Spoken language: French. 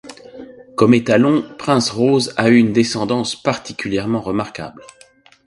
Comme étalon, Prince Rose a eu une descendance particulièrement remarquable.